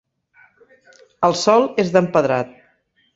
El sòl és d'empedrat.